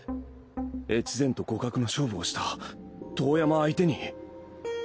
越前と互角の勝負をした遠山相手に。